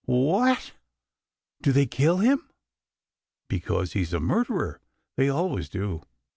" Wha at ! Do they kill him ?" "Because he's a murderer. They always do."